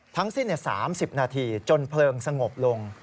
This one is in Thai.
ทั้งสิ้น๓๐นาทีจนเพลิงสงบลง